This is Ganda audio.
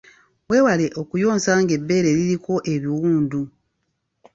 Weewale okuyonsa ng’ebbeere liriko ebiwundu.